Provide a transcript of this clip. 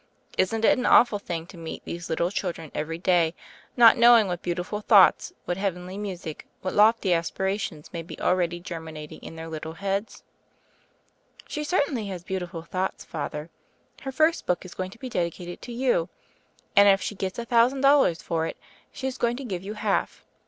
Isn't it an awful thing to meet these little children every day, not knowing what beautiful thoughts, what heavenly music, what lofty aspirations may be already germinating in their little heads?" "She certainly has beautiful thoughts, Father. Her first book is going to be dedicated to you, 38 THE FAIRY OF THE SNOWS 39 and if she gets a thousand dollars for it she is going to give you half.